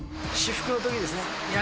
至福の時ですね。